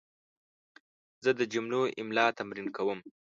زه د جملو املا تمرین کوم.